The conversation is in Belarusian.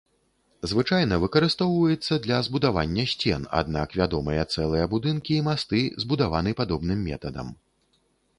Звычайна выкарыстоўваецца для збудавання сцен, аднак вядомыя цэлыя будынкі і масты, збудаваны падобным метадам.